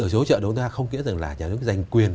hỗ trợ đến tối đa không nghĩa là nhà nước dành quyền